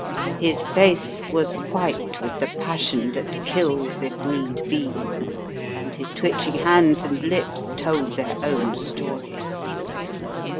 His face was white with the passion that kills if need be, and his twitching hands and lips told their own story.